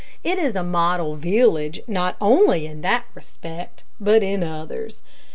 It is a model village not only in that respect, but in others.